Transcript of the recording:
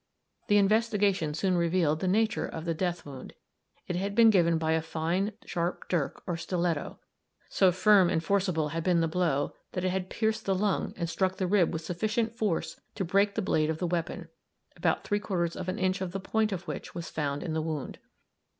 The investigation soon revealed the nature of the death wound; it had been given by a fine, sharp dirk or stiletto. So firm and forcible had been the blow that it had pierced the lung and struck the rib with sufficient force to break the blade of the weapon, about three quarters of an inch of the point of which was found in the wound.